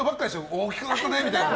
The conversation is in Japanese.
大きくなったねみたいな。